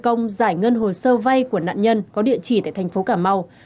cơ quan phân công giải ngân hồ sơ vay của nạn nhân có địa chỉ tại thành phố cà mau